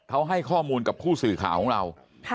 เขาให้ข้อมูลกับผู้สื่อข่าวของเรา